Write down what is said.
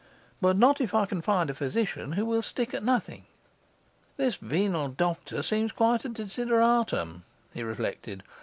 But not if I can find a physician who will stick at nothing. 'This venal doctor seems quite a desideratum,' he reflected.